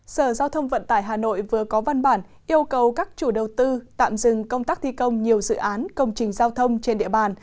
sở giao thông vận tải hà nội vừa có văn bản yêu cầu các chủ đầu tư tạm dừng công tác thi công nhiều dự án công trình giao thông trên địa bàn